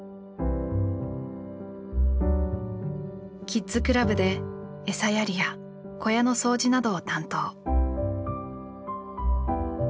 キッズクラブでエサやりや小屋の掃除などを担当。